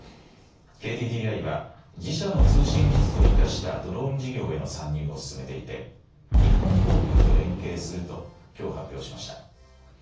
ＫＤＤＩは、自社の通信技術を生かしたドローン事業への参入を進めていて、日本航空と連携すると、きょう発表しました。